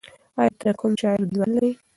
ایا ته د کوم شاعر دیوان لرې؟